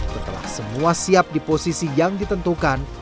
setelah semua siap di posisi yang ditentukan